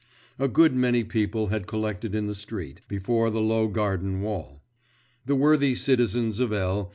A good many people had collected in the street, before the low garden wall; the worthy citizens of L.